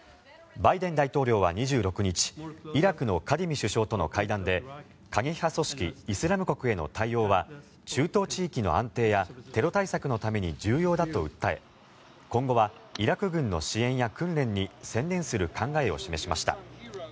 バイデン大統領は２６日イラクのカディミ首相との会談で過激派組織イスラム国への対応は中東地域の安定やテロ対策のために重要だと訴え今後はイラク軍の支援や訓練に専念する考えを示しました。